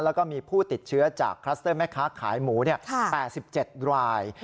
แล้วก็มีผู้ติดเชื้อจากคลัสเตอร์แม่ค้าขายหมู๘๗ราย